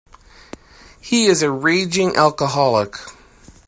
He is a raging alcoholic.